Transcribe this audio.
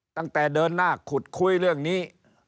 ตั้งแต่เดินหน้าขุดคุยเรื่องนี้